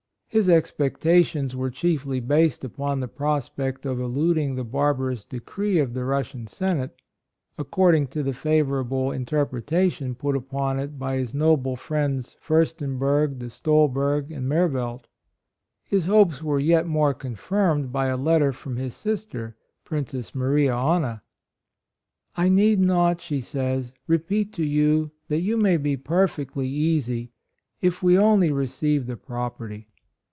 His expectations were chiefly based upon the prospect of eluding the barbarous decree of the Russian Senate, according to the favorable interpretation put upon it by his noble friends Furstenberg, De Stol berg and Mervelt. His hopes were yet more confirmed by a letter from his sister, Princess Maria Anna. —" I need not," she says, " repeat to you that you may be perfectly easy if we only receive the property.